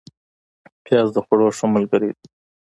پیاز د خوړو ښه ملګری دی